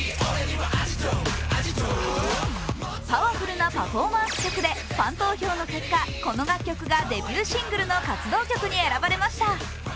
パワフルなパフォーマンス曲でファン投票の結果、この楽曲がデビューシングルの活動曲に選ばれました。